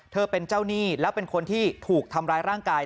เป็นเจ้าหนี้แล้วเป็นคนที่ถูกทำร้ายร่างกาย